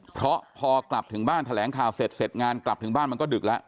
เพราะพอกลับถึงบ้านแถลงข่าวเสร็จเสร็จงานกลับถึงบ้านมันก็ดึกแล้ว